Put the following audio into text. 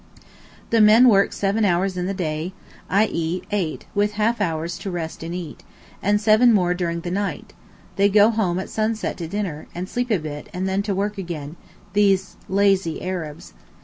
The men work seven hours in the day (i.e., eight, with half hours to rest and eat), and seven more during the night; they go home at sunset to dinner, and sleep a bit, and then to work again—these 'lazy Arabs'!